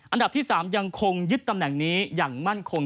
อันดับที่๓ยังคงยึดตำแหน่งนี้อย่างมั่นคง